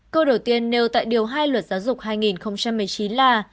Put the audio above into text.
câu đầu tiên nêu tại điều hai luật giáo dục hai nghìn một mươi chín là